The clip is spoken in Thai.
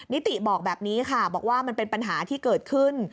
นิติบอกแบบนี้ค่ะบอกว่ามันเป็นปัญหาที่เกิดขึ้น